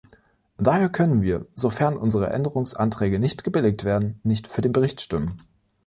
Daher können wir, sofern unsere Änderungsanträge nicht gebilligt werden, nicht für den Bericht stimmen.